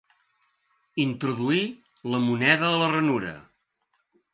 Introduí la moneda a la ranura.